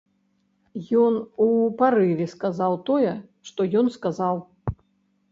Ён у парыве сказаў тое, што ён сказаў.